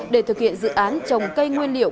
để thực hiện dự án trồng cây nguyên liệu